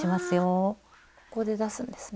ああここで出すんですね。